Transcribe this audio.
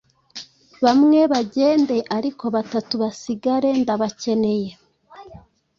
Bamwe bagende ariko batatu basigare ndabakeneye.